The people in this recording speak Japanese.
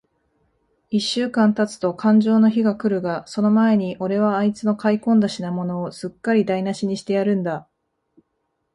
一週間たつとかんじょうの日が来るが、その前に、おれはあいつの買い込んだ品物を、すっかりだいなしにしてやるんだ。